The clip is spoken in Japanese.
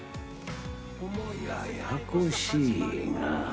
ややこしいな。